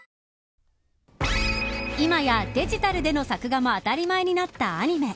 今やデジタルでの作画も当たり前になったアニメ。